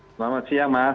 selamat siang mas